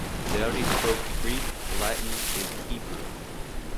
They already spoke Greek, Latin, and Hebrew.